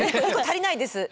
足りないです。